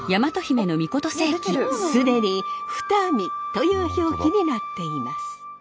既に「二見」という表記になっています。